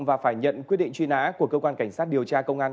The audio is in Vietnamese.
và phải nhận quyết định truy nã của cơ quan cảnh sát điều tra công an